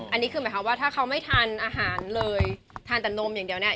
อันนี้คือหมายความว่าถ้าเขาไม่ทานอาหารเลยทานแต่นมอย่างเดียวเนี่ย